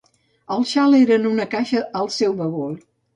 El xal era en una caixa al seu bagul.